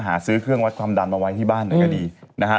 หาซื้อเครื่องวัดความดันมาไว้ที่บ้านไหนก็ดีนะฮะ